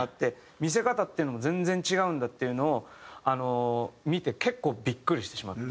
見せ方っていうのも全然違うんだっていうのを見て結構ビックリしてしまって。